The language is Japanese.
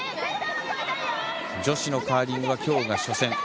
女子のカーリングは今日が初戦。